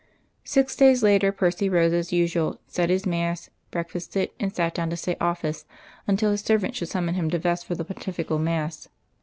III Six days later, Percy rose as usual, said his mass, breakfasted, and sat down to say office until his servant should summon him to vest for the Pontifical mass.